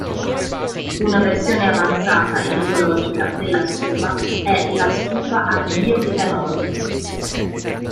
Una versione avanzata ed ecologica della stufa è la "stufa a bioetanolo".